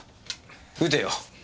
撃てよ。